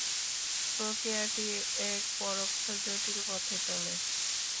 প্রক্রিয়াটি এক পরোক্ষ জটিল পথে চলে।